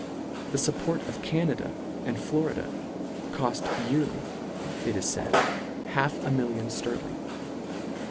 The fup port of Canada and Florida coft yearly, it is faid, half a million fterling.